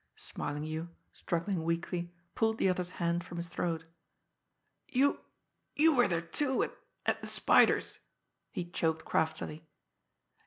Smarlinghue, struggling weakly, pulled the other's hand from his throat. "You you were there, too, at at the Spider's," he choked craftily.